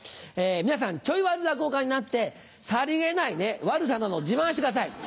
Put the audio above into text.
皆さんチョイ悪落語家になってさりげない悪さなどを自慢してください。